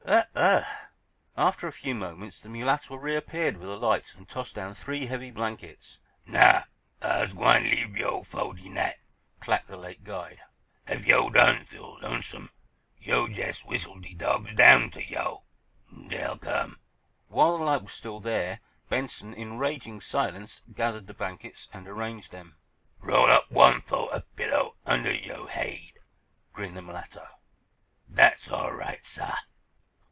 Ugh gh!" After a few moments the mulatto reappeared with a light and tossed down three heavy blankets. "Now, Ah's gwine leave yo' fo' de night," clacked the late guide. "Ef yo' done feel lonesome, yo' jes' whistle de dawgs down to yo'. Dey'll come!" While the light was still there Benson, in raging silence, gathered the blankets and arranged them. "Roll up one fo' a pillow, under yo' haid," grinned the mulatto. "Dat's all right, sah.